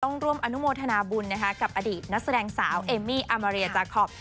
ร่วมอนุโมทนาบุญนะคะกับอดีตนักแสดงสาวเอมมี่อามาเรียจาคอป